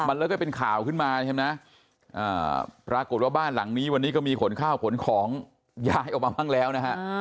มันแล้วก็เป็นข่าวขึ้นมาใช่ไหมปรากฏว่าบ้านหลังนี้วันนี้ก็มีขนข้าวขนของย้ายออกมาบ้างแล้วนะฮะ